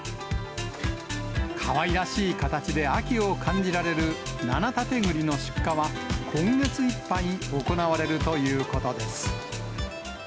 かわいらしい形で秋を感じられる七立栗の出荷は、今月いっぱい行われるということです。